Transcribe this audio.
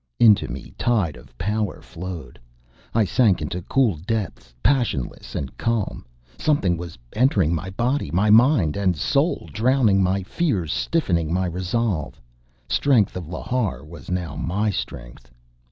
Into me tide of power flowed. I sank into cool depths, passionless and calm. Something was entering my body, my mind and soul, drowning my fears, stiffening my resolve. Strength of Lhar was now my strength!